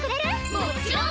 もちろん！